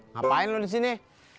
ngapain lo disini